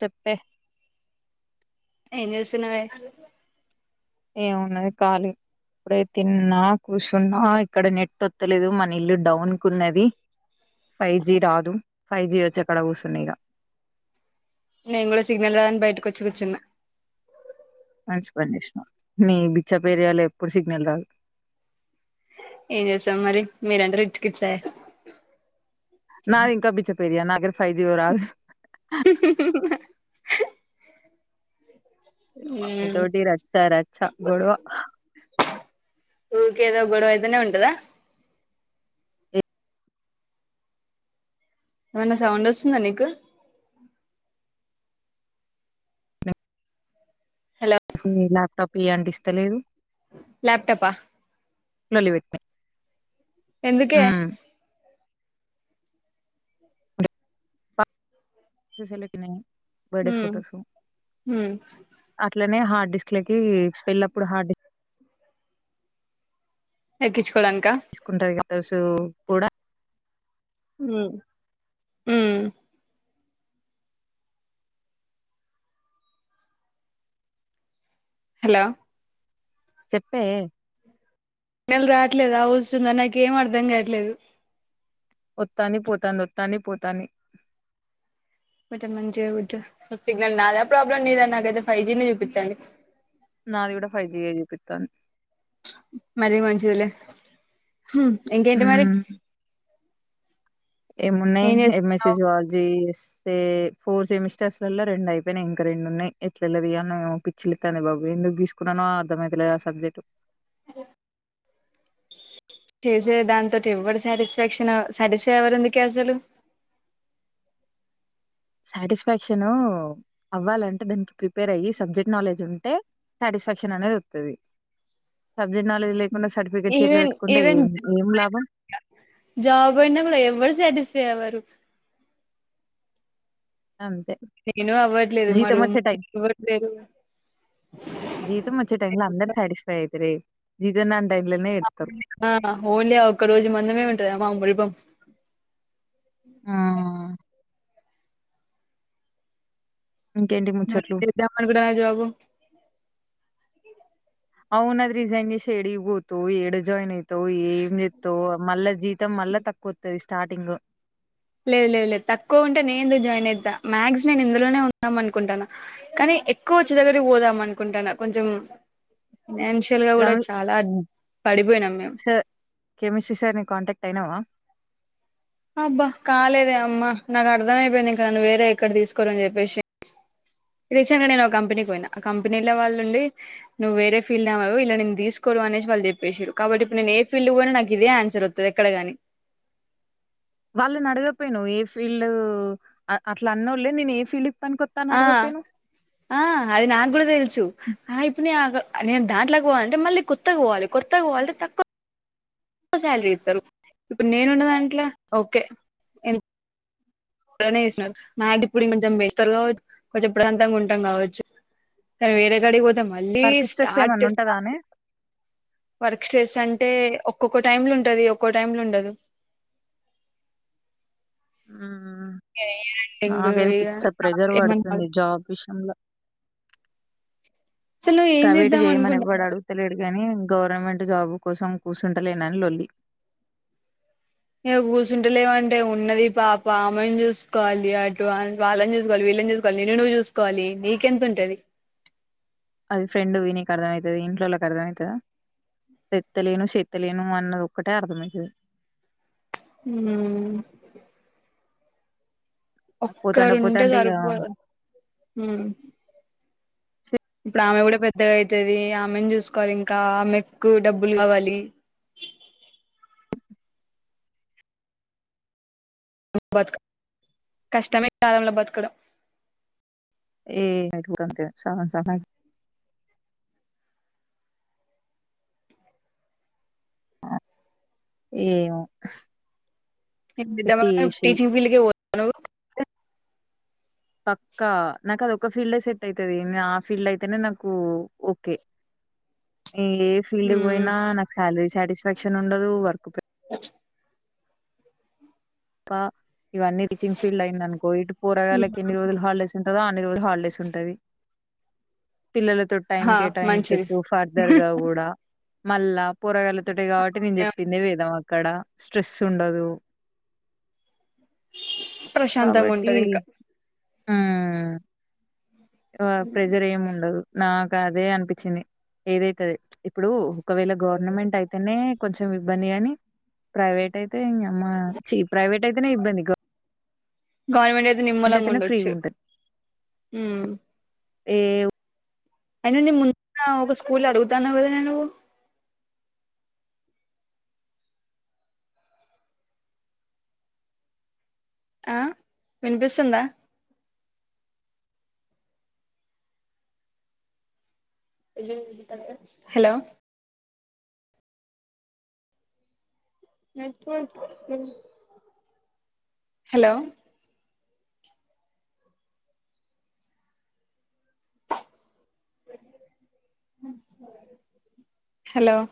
చెప్పే ఎం చేస్తున్నావే ఏమున్నది కాలీ ఇప్పుడే తిన్నా కూసున్నా ఇక్కడ నెట్ వత్తలేదు మన ఇల్లు డౌన్ కున్నది ఫైవ్ జి రాదు ఫైవ్ జి వచ్చేకాడ కూసున్న ఇగ నేను కూడా సిగ్నల్ రాదని బయటకి వచ్చికుచ్చున్న మంచి పని చేసినవ్ నీ బిచ్చాపేరియాలో ఎప్పుడు సిగ్నల్ రాదు ఏం చేస్సాం మరి మీరంటే రిచ్ కిడ్సే నా ఇంకా బి చెప్పు పెరియా నాగర్ ఫైవ్ జీ రాద్ మ్మ్ మమ్మీతోటి రచ్చ రచ్చ గొడవ ఊకే ఏదో గొడవ ఐదనే ఉంటదా ఏమన్నా సౌండ్ వస్తుందా నీకు హలో హ్మ్ ల్యాప్టాప్ ఇయి అంటే ఇస్తలేదు ల్యాప్ టపా లొల్లి వెట్నె ఎందుకే సుశలుకినే బర్డే ఉమ్ ఫోటోస్ ఉమ్ అట్లనే హార్డ్ డిస్క్ లకి పెళ్లప్పుడు హార్డ్ ఏక్కిచ్చు కోలంక డ్రస్సు కూడా మ్మ్ హ్మ్ హలో చెప్పే నెల్ రావట్లేదా వస్సుంద నాకు ఏం అర్ధం గావట్లేదు వొత్తాంది పోతంది వొత్తాంది పోతంది కొంచెం మంచిగా కూచ్చో నాది కూడా ఫైవ్ జి యే జూపి తన్ మరీ మంచిదిలే హ్మ్ ఇంకేంటి మరి ఏమున్నయ్ ఏం ఎ చేస్తున్నావ్ మెస్సేజ్ వాల్ జేస్ సేమ్ ఫోర్ సెమిస్టర్స్ లల్లో రెండు అయిపేయినయ్ ఇంక రెండు ఉన్నాయ్. ఎట్ల ఎల్లదీయాల్నో ఏమో పిచ్చి లేత్తాంది బాబు ఎందుకు తీసుకున్నానో అర్థంమయితలేదు ఆ సబ్జెక్టు. చేసే దాంతోటి ఎవ్వడి సాటిస్ఫాక్షన్ సాటిస్ఫై ఎవరు ఎందుకే అసలు సాటిస్ఫాక్షన్ అవ్వాలంటే దానికి ప్రిపేర్ అయ్యి సబ్జెక్ట్ నాలెడ్జ్ ఉంటే సాటిస్ఫాక్షన్ అనేది వత్తది సబ్జెక్ట్ నాలెడ్జ్ లే ఈవెన్ ఈవెన్ లాభం జాబ్ అయినాగూడ ఎవ్వరు సాటిస్ఫై అవ్వరు అంతే నేను అవ్వట్లేదు మా జీతం రూమ్ వచ్చే టైమ్ ఇవ్వట్లేదు జీతం వచ్చే టైమ్ లో అందరు సాటిస్ఫై అయితరే ఇదే నన్ ఆ హోలీ ఒక్క రోజు మందమే ఉంటది అ మా మురిపెం ఆ ఇంకేంటి నువ్వు ముచ్చట్లు. చేద్దాం అనుకుంటున్నా జాబు అవును. అది రిజైన్ జేసి ఏడికి బోతావు? ఏడ జాయిన్ అయితావు? ఏం జేత్తావు? మళ్ళా జీతం మళ్ళా తక్కువొత్తది స్టార్టింగు. లేదు లేదు లేదు తక్కువ ఉంటే నేను ఎందుకు జాయిన్ అయితా మ్యాక్స్ నేను ఇందులోనే ఉందాం అనుకుంటాను కానీ ఎక్కువ వచ్చే దగ్గరికి పోదాం అనుకుంటాను కొంచెం ఫినాన్షియల్ గా కూడా రవి చాలా పడిపోయినాం మేము సార్ కెమిస్ట్రీ సార్‌ని కాంటాక్ట్ అయినావా? అబ్బా కాలేదే అమ్మా నాకు అర్థం అయిపోయింది ఇంకా నన్ను వేరే ఎక్కడ తీసుకోరని చెప్పేసి రీసెంట్ గా నేను ఒక కంపెనీకి పోయినా ఆ కంపెనీలో వాళ్ళుండి నువ్వు వేరే ఫీల్డ్ ఆమెవు ఇలా నేను తీసుకోరు అనేసి వాళ్ళు చెప్పేసిరు కాబట్టి ఇప్పుడు నేను ఏ ఫీల్డ్ పోయినా నాకు ఇదే ఆన్సర్ వత్తది ఎక్కడ గాని వాళ్ళనడగకపోయినవు ఏ ఫీల్డు అ అట్లా అన్నోళ్ళే నేను ఏ ఫీల్డ్‌కి పనికొత్తా అని ఆ అడగకపోయినవు? ఆ అది నాకు కూడా తెలుసు ఆ ఇప్పుడు నేను అక్కడ నేను దాంట్లోకి పోవాలంటే మళ్ళీ కొత్తగా పోవాలి కొత్తగా పోవాలంటే తక్కువ శాలరీ ఇత్తరు ఇప్పుడు నేనున్న దాంట్ల ఓకే ఎంతనే ఇస్తున్నారు నాకు ఇప్పుడు కొంచెం పెంచుతారు కావచ్చు కొంచెం ప్రశాంతంగా ఉంటాం కావచ్చు కానీ వేరే కాడికి పోతే మళ్ళీ వర్క్ స్ట్రెస్ స్టార్ట్ ఏమన్నా ఉంటదా స్టార్ట్ అనే? వర్క్ స్ట్రెస్ అంటే ఒక్కొక్క టైమ్ లో ఉంటది ఒక్కో టైమ్ లో ఉండదు హ్మ్. ఎంగ్ నాకైతే ఇగ పిచ్చ ప్రెషర్ ఏమన్నా పడుతుంది పడదు. జాబ్ విషయంలో. అసలు నువ్వు ఏం ప్రైవేట్ చేద్దాం జేయమని ఎవ్వడు అనుకుంటానవ్ అడుగుతలేడు గానీ, గవర్నమెంట్ జాబ్ కోసం కూసుంటలేనని లొల్లి. ఇగ కూర్చుంటలేవంటే ఉన్నది పాప ఆమెను చూసుకోవాలి అటు వాళ్ళని చూసుకోవాలి వీళ్ళని చూసుకోవాలి నిన్ను నువ్వు చూసుకోవాలి నీకెంత ఉంటది అది ఫ్రెండ్‌వి నీకర్థమైతది. ఇంట్లోళ్ళకి అర్థమైతదా? తెత్తలేను, చేత్తలేను అన్నదొక్కటే అర్థమైతది. మ్మ్ పోతాంటే ఒక్కరుంటే పోతాంటే ఇగ సరిపోదు మ్మ్ ఇప్పుడు ఆమె కూడా పెద్దగా అయితది ఆమెను చూసుకోవాలి ఇంకా ఆమెకు డబ్బులు కావాలి బతక కష్టమే ఈ కాలంలో బతకడం ఏ పోతాంటే సగం సగం ఏమో ఏం చేద్దాం పెట్టి అనుకున్నావు? చేసి టీచింగ్ ఫీల్డ్ కే పోతావా పక్కా నాకు అది ఒక ఫీల్డే సెట్ అయితది ఆ ఫీల్డ్ అయితేనే నాకు ఓకే ఏ ఫీల్డ్ పోయినా నువ్వు నాకు శాలరీ సాటిస్ఫాక్షన్ ఉండదు వర్క్ ప ఇవన్నీ టీచింగ్ ఫీల్డ్ అయింది అనుకో ఇటు పోరగాళ్ళకి మ్మ్ ఎన్ని రోజులు హాలిడేస్ ఉంటదో అన్ని రోజులు హాలిడేస్ ఉంటది పిల్లలతో టైం హా మంచిది కేటాయించచ్చు ఫర్దర్ గా కూడా మళ్ళా పోరగాళ్ళతోటే కాబట్టి నేను చెప్పిందే వేదం అక్కడ స్ట్రెస్ ఉండదు ప్రశాంతంగా కాబట్టి ఉంటది ఇంకా ఉమ్ ప్రెజర్ ఏమి ఉండదు నాకు అదే అనిపించింది ఏదైతది ఇప్పుడు ఒకవేళ గవర్నమెంట్ అయితేనే కొంచెం ఇబ్బంది గాని ప్రైవేట్ అయితే ఇంగ అమ్మ చి ప్రైవేట్ అయితేనే ఇబ్బంది గవర్నమెంట్ అయితే గవర్నమెంట్ నిమ్మలంగా అయితేనే ఉండొచ్చు ఫ్రీగా ఉంటది ఉమ్ ఏ అయినా నేను ముందున్న ఒక స్కూల్ అడుగుతాన్నావు కదనే నువ్వు ఆ వినిపిస్తుందా హలో హలో హలో